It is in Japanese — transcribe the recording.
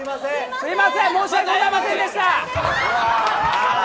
すみません申し訳ございませんでした！